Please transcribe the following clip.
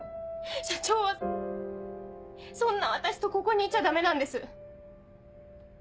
社長はそんな私とここにいちゃダメなんです。